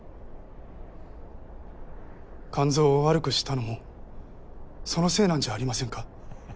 肝臓を悪くしたのもそのせいなんじゃありませんか？